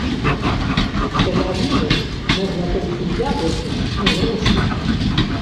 З садавіны можна толькі яблыкі і грушы!!!